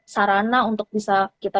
sarana untuk bisa kita